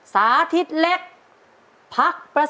จิตตะสังวโรครับ